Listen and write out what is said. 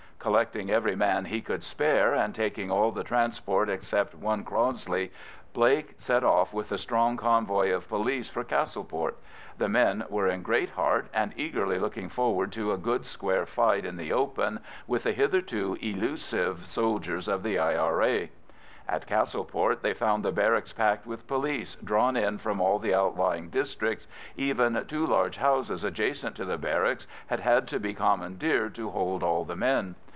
Collecting every man he could spare and taking all the transport except one Crossley, Blake set off with a strong convoy of police for Castleport. The men were in great heart, and eagerly looking forward to a good square fight in the open with the hitherto elusive soldiers of the I.R.A. At Castleport they found the barracks packed with police, drawn in from all the outlying districts; even two large houses adjacent to the barracks had had to be commandeered to hold all the men.